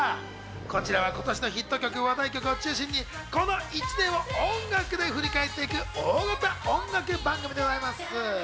こちらは今年のヒット曲・話題曲を中心に、この１年を音楽で振り返っていく大型音楽番組でございます。